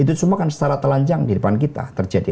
itu semua kan secara telanjang di depan kita terjadi